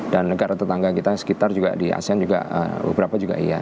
dan negara tetangga kita sekitar juga di asean juga beberapa juga iya